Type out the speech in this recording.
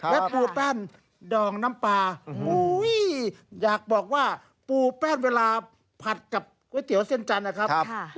และปูแป้นดองน้ำปลาอยากบอกว่าปูแป้นเวลาผัดกับก๋วยเตี๋ยวเส้นจันทร์นะครับ